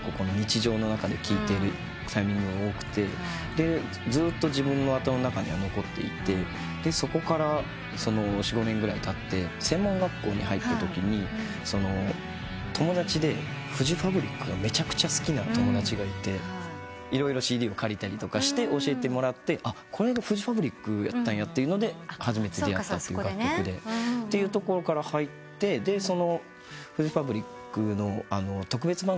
でずっと自分の頭の中には残っていてそこから４５年ぐらいたって専門学校に入ったときにフジファブリックがめちゃくちゃ好きな友達がいて色々ＣＤを借りたりとかして教えてもらってこれがフジファブリックやったんやと初めて出会った楽曲で。っていうところから入ってフジファブリックの特別番組。